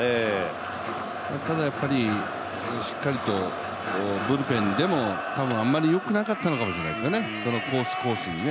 ただ、しっかりとブルペンでもあんまり良くなかったのかもしれないですねコース、コースにね。